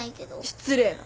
失礼な。